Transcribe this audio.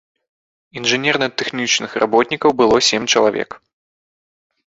Інжынерна-тэхнічных работнікаў было сем чалавек.